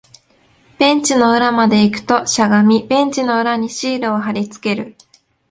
ベンチの裏まで行くと、しゃがみ、ベンチの裏にシールを貼り付ける